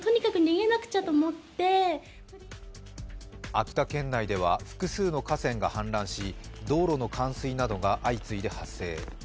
秋田県内では複数の河川が氾濫し道路の冠水などが相次いで発生。